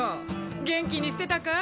元気にしてたかい？